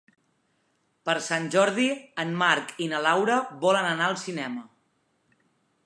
Per Sant Jordi en Marc i na Laura volen anar al cinema.